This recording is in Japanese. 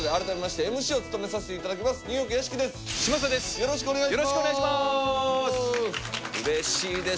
よろしくお願いします。